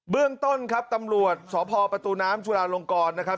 เรื่องต้นครับตำรวจสพประตูน้ำจุลาลงกรนะครับ